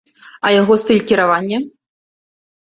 А яго стыль кіравання?